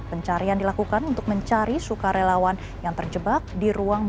pencarian dilakukan untuk mencari sukarelawan yang terjebak di ruang